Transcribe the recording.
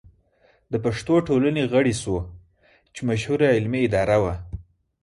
د پښتو ټولنې غړی شو چې مشهوره علمي اداره وه.